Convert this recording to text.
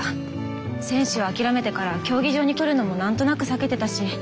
選手を諦めてから競技場に来るのもなんとなく避けてたし。